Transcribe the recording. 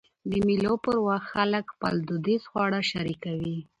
د مېلو پر وخت خلک خپل دودیز خواړه شریکوي.